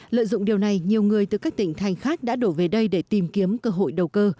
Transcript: lợi dụng điều này nhiều người từ các tỉnh thành khác đã đổ về đây để tìm kiếm cơ hội đầu cơ